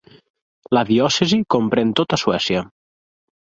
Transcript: La diòcesi comprèn tota Suècia.